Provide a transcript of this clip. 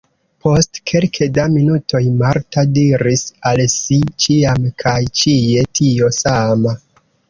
Post kelke da minutoj Marta diris al si: ĉiam kaj ĉie tio sama.